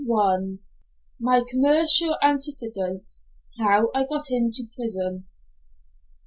MY COMMERCIAL ANTECEDENTS HOW I GOT INTO PRISON.